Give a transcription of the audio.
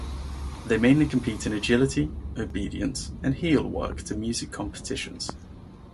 They mainly compete in agility, obedience and heelwork to music competitions.